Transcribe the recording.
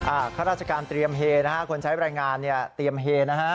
ข้าราชการเตรียมเฮนะฮะคนใช้รายงานเนี่ยเตรียมเฮนะฮะ